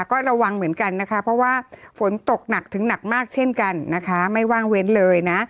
ก็ระวังเหมือนกันนะคะเพราะว่าฝนตกหนักถึงหนักมากเช่นกันนะคะไม่ว่างเว้นเลยนะ